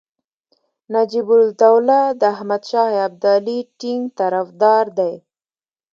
نجیب الدوله د احمدشاه ابدالي ټینګ طرفدار دی.